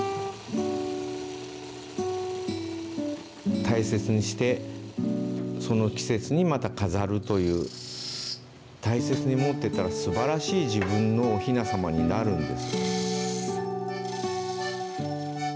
大切にしてその季節にまた飾るという大切に持ってた素晴らしい自分のおひなさまになるんです。